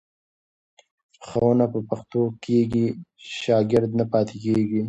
ښوونه په پښتو کېږي، شاګرد نه پاتې کېږي.